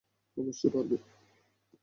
অবশ্যই, পারব।